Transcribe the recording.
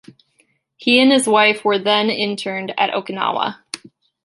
He and his wife were then interned at Okinawa.